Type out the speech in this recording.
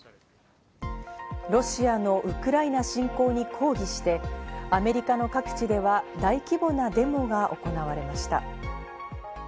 ロシアのウクライナ侵攻に抗議してアメリカの各地では大規模なデモが行われました。